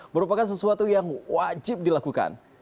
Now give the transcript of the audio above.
merupakan sesuatu yang wajib dilakukan